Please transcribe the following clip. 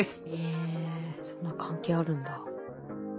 えそんな関係あるんだ。